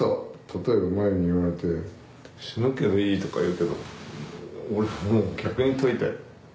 例えば真夕に言われて「死ぬけどいい？」とか言うけど俺も逆に問いたい。